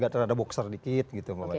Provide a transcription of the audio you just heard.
saat terlalu boxer dikit gitu